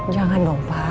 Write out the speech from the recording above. jangan dong pak